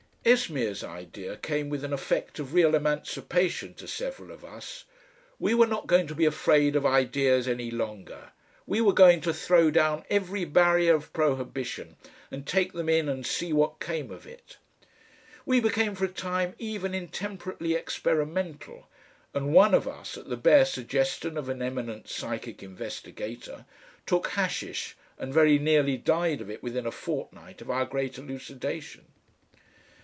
Esmeer's idea came with an effect of real emancipation to several of us. We were not going to be afraid of ideas any longer, we were going to throw down every barrier of prohibition and take them in and see what came of it. We became for a time even intemperately experimental, and one of us, at the bare suggestion of an eminent psychic investigator, took hashish and very nearly died of it within a fortnight of our great elucidation.